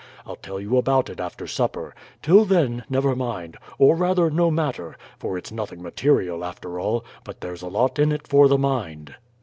I'll tell you about it after supper. Till then, never mind or, rather, no matter; for it's nothing material, after all, but there's a lot in it for the mind."